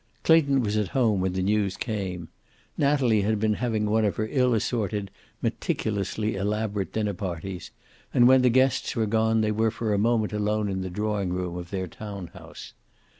Clayton was at home when the news came. Natalie had been having one of her ill assorted, meticulously elaborate dinner parties, and when the guests had gone they were for a moment alone in the drawing room of their town house.